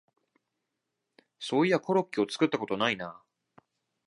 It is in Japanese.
そういやコロッケを作ったことないな